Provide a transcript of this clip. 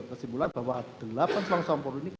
kesimpulan bahwa delapan selongsong peluru ini